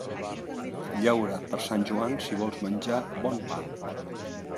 Llaura per Sant Joan si vols menjar bon pa.